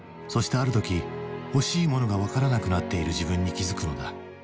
ある時欲しいものが分からなくなっている自分に気付くのだ。